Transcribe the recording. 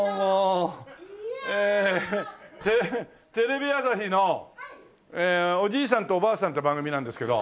テレビ朝日の「おじいさんとおばあさん」って番組なんですけど。